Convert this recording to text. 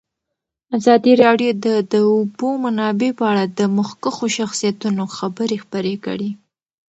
ازادي راډیو د د اوبو منابع په اړه د مخکښو شخصیتونو خبرې خپرې کړي.